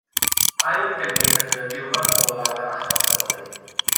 Ailymgynnull ar gyfer diwrnod olaf yr achos yfory.